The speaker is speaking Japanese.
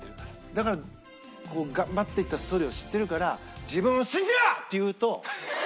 だから頑張っていたストーリーを知ってるから「自分を信じろ！」って言うと。